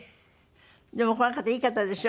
でもこの方いい方でしょ。